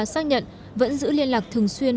xác nhận vẫn giữ liên lạc thường xuyên